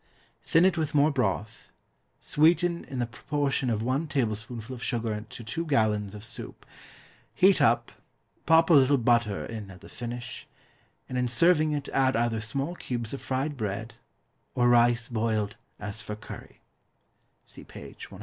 Thin it with more broth, sweeten in the proportion of one tablespoonful of sugar to two gallons of soup; heat up, pop a little butter in at the finish, and in serving it add either small cubes of fried bread, or rice boiled as for curry (see page 145).